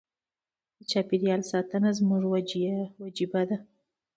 د چاپیریال ساتنه زموږ وجیبه ده.